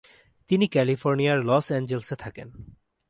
তিনি ক্যালিফোর্নিয়ার লস অ্যাঞ্জেলেসে থাকেন।